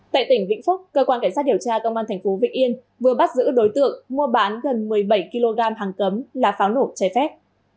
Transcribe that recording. tại tỉnh vĩnh phúc cơ quan cảnh sát điều tra công an tp vĩnh yên vừa bắt giữ đối tượng mua bán gần một mươi bảy kg hàng cấm là pháo nổ cháy phép